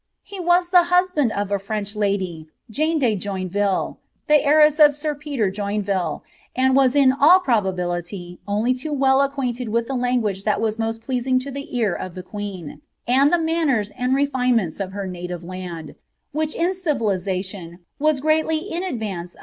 He was the husband of a 'ranch lady, Jane de Joinville, the heiress of Sir Peter Joinville, and raa in all piobability only too well acquainted with the language that rwM most pleasing to the ear of the queen, and the manners and refine lenta of her native land, which in civilization was greatly in advance * WaJfingham.